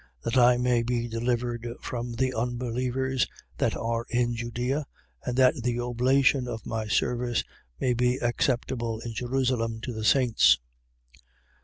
That I may be delivered from the unbelievers that are in Judea and that the oblation of my service may be acceptable in Jerusalem to the saints.